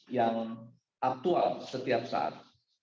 yang aktual setiap saat